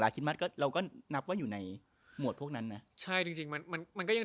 คิดมัติก็เราก็นับว่าอยู่ในหมวดพวกนั้นนะใช่จริงจริงมันมันก็ยัง